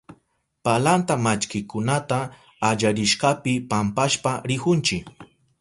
Palanta mallkikunata allarishkapi pampashpa rihunchi.